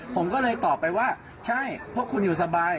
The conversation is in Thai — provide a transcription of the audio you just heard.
ผมก็เลยตอบไปว่าใช่พวกคุณอยู่สบาย